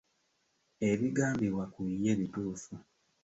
Ebigambibwa ku ye bituufu.